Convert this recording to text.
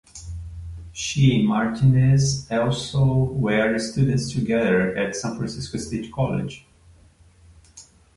She and Martinez also were students together at San Francisco State College.